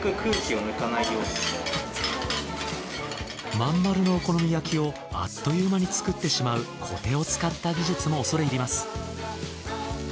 真ん丸のお好み焼きをあっという間に作ってしまうコテを使った技術も恐れ入ります。